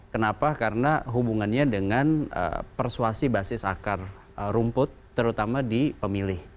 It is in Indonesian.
kenapa karena hubungannya dengan persuasi basis akar rumput terutama di pemilih